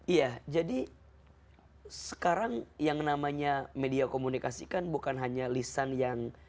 iya jadi sekarang yang namanya media komunikasi kan bukan hanya lisan yang